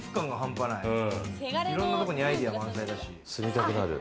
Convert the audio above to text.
いろんなとこにアイデア満載だし。